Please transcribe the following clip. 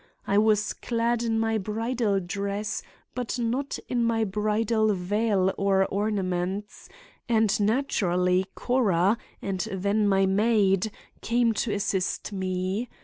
I was clad in my bridal dress, but not in my bridal veil or ornaments, and naturally Cora, and then my maid, came to assist me.